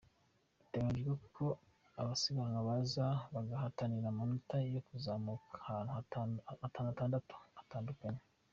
Biteganyijwe ko abasiganwa baza guhatanira amanota yo kuzamuka ahantu hatandatu hatandukanye.